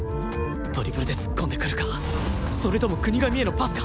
ドリブルで突っ込んでくるかそれとも國神へのパスか